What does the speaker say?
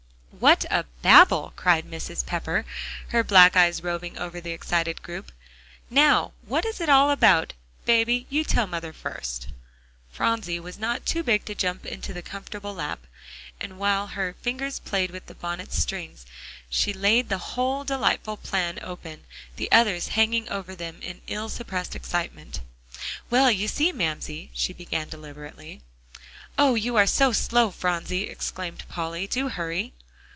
"What a babel," cried Mrs. Pepper, her black eyes roving over the excited group. "Now what is it all about? Baby, you tell mother first." Phronsie was not too big to jump into the comfortable lap, and while her fingers played with the bonnet strings, she laid the whole delightful plan open, the others hanging over them in ill suppressed excitement. "Well, you see, Mamsie," she began deliberately. "Oh! you are so slow, Phronsie," exclaimed Polly, "do hurry."